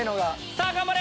さぁ頑張れ！